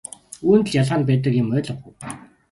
Үүнд л ялгаа нь байдаг юм ойлгов уу?